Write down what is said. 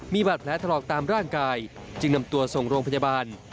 มีบาดแผลถลอกตามร่างกายจึงนำตัวส่งโรงพยาบาล